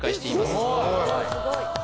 すごい